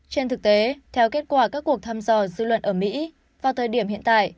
trên thực tế theo kết quả các cuộc thăm dò dư luận ở mỹ vào thời điểm hiện tại